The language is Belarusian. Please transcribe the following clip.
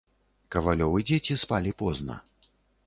Кавалёвы дзеці спалі позна.